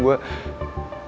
gue mau ke rumah